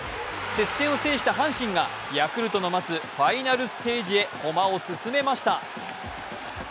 接戦を制した阪神がヤクルトの待つファイナルステージへ駒を進めました。